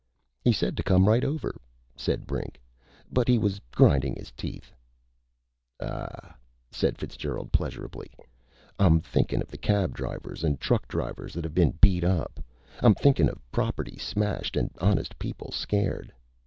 "He said to come right over," said Brink. "But he was grinding his teeth." "Ah h h!" said Fitzgerald pleasurably. "I'm thinkin' of the cab drivers an' truck drivers that've been beat up. I'm thinkin' of property smashed and honest people scared....